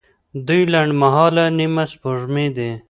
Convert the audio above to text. دوی لنډمهاله نیمه سپوږمۍ دي.